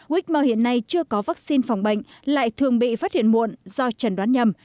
whmore hiện nay chưa có vaccine phòng bệnh lại thường bị phát hiện muộn do trần đoán nhầm